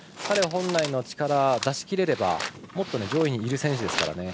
彼本来の力を出しきれればもっと上位にいる選手ですから。